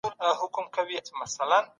لوستې مور د کور د تشناب حفظ الصحه ساتي.